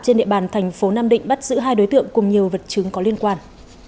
trên địa bàn thành phố nam định bắt giữ hai đối tượng cùng nhiều vật chứng có liên quan